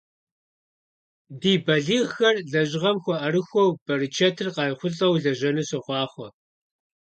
Ди балигъхэр лэжьыгъэм хуэӀэрыхуэу, берычэтыр къайхъулӀэу лэжьэну сохъуахъуэ!